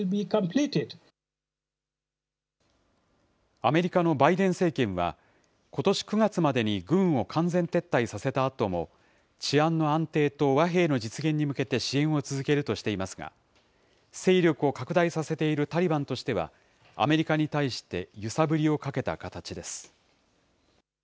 アメリカのバイデン政権は、ことし９月までに軍を完全撤退させたあとも、治安の安定と和平の実現に向けて支援を続けるとしていますが、勢力を拡大させているタリバンとしては、アメリカに対して揺さぶりをかけた形です。